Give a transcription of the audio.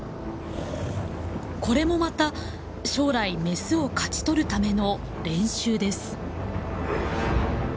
これもまた将来メスを勝ち取るための練習です。